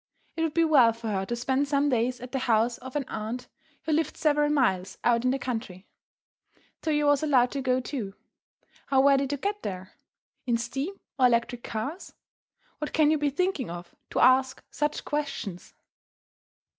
It would be well for her to spend some days at the house of an aunt who lived several miles out in the country. Toyo was allowed to go, too. How were they to get there? In steam or electric cars? What can you be thinking of to ask such questions?